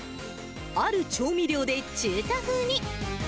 ある調味料で中華風に。